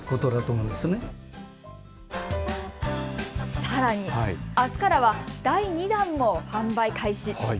さらにあすからは第２弾も販売開始。